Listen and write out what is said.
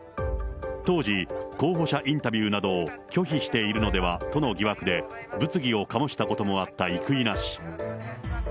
当時、候補者インタビューなどを拒否しているのではとの疑惑で、物議を醸したこともあった生稲氏。